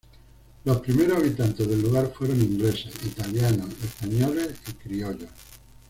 Los primeros habitantes del lugar fueron ingleses, italianos, españoles y criollos.